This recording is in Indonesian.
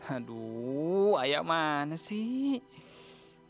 aduh ayah mana sih